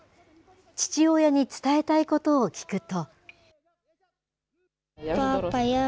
父親に伝えたいことを聞くと。